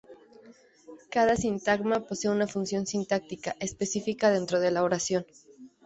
Cada sintagma posee una función sintáctica específica dentro de la oración.